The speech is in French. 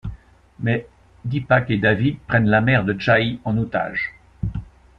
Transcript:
Mais Deepak et David prennent la mère de Jai en otage.